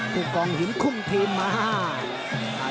ผู้กองหินคุมทีมมา